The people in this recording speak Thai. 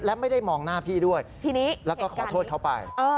และไม่ได้มองหน้าพี่ด้วยทีนี้แล้วก็ขอโทษเขาไป